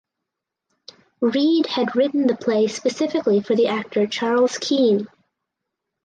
Reade had written the play specifically for the actor Charles Kean.